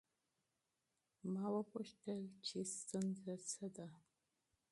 ما وپوښتل چې ستونزه څه ده؟